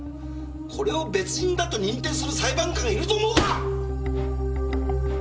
これを別人だと認定する裁判官がいると思うか！？